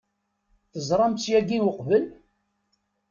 Teẓram-tt yagi uqbel?